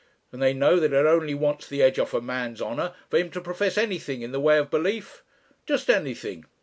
And they know that it only wants the edge off a man's honour, for him to profess anything in the way of belief. Just anything.